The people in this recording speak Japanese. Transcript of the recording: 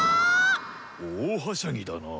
大はしゃぎだな。